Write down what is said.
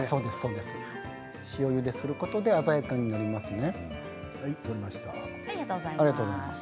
塩ゆですることで鮮やかになりますね。